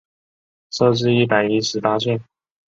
寿至一百一十八岁。